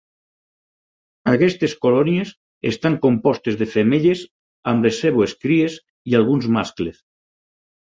Aquestes colònies estan compostes de femelles amb les seves cries i alguns mascles.